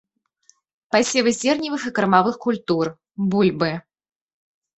Пасевы зерневых і кармавых культур, бульбы.